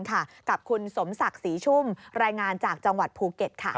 กับคุณสมศักดิ์ศรีชุ่มรายงานจากจังหวัดภูเก็ตค่ะ